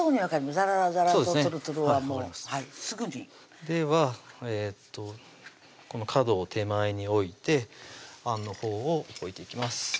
ざらざらとつるつるはもうすぐにではこの角を手前に置いてあんのほうを置いていきます